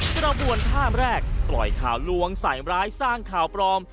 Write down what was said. กระบวนท่ามแรกปล่อยข่าวลวงใส่ร้ายสร้างข่าวปลอม